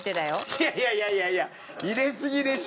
いやいやいやいやいや入れすぎでしょ！